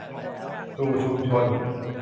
สู่ชุมชน